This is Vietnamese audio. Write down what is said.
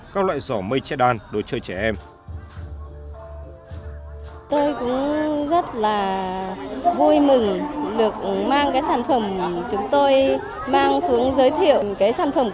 các loại giỏ mây che đan đồ chơi trẻ em